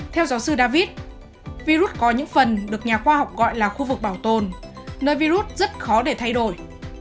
theo giáo sư david virus có những phần được nhà khoa học gọi là khu vực bảo tồn nơi virus rất khó để thay đổi